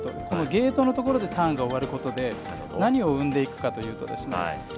このゲートの所でターンが終わることで何をうんでいくかというと。